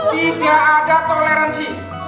tidak ada toleransi